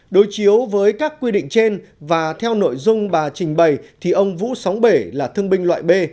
đối chiếu với các quy định trên và theo nội dung bà trình bày thì ông vũ sáu bể là thương binh loại b